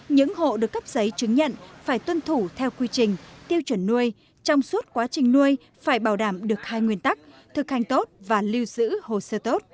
những hộ được cấp giấy chứng nhận phải tuân thủ theo quy trình tiêu chuẩn nuôi trong suốt quá trình nuôi phải bảo đảm được hai nguyên tắc thực hành tốt và lưu giữ hồ sơ tốt